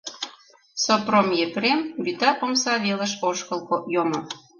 Сопром Епрем вӱта омса велыш ошкыл йомо.